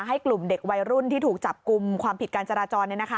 ให้กลุ่มเด็กวัยรุ่นที่ถูกจับกลุ่มความผิดการจราจร